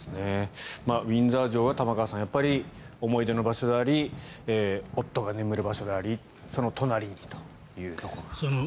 ウィンザー城は玉川さん思い入れの場所であり夫が眠る場所でありその隣にというところですね。